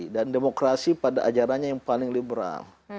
dan demokrasi pada ajarannya yang paling liberal